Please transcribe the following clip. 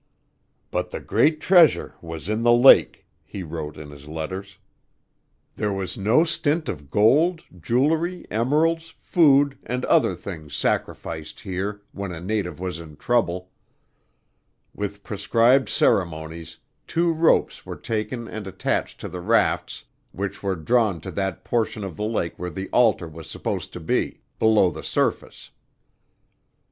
"But the great treasure was in the lake," he wrote in his letters. "There was no stint of gold, jewelry, emeralds, food, and other things sacrificed here when a native was in trouble. With prescribed ceremonies, two ropes were taken and attached to the rafts which were drawn to that portion of the lake where the altar was supposed to be, below the surface.